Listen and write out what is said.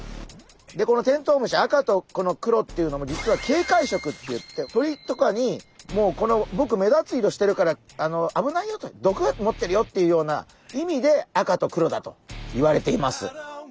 でこのテントウムシ赤とこの黒っていうのも実は警戒色っていって鳥とかにもうぼく目立つ色してるから危ないよと毒を持ってるよっていうような意味で赤と黒だといわれています。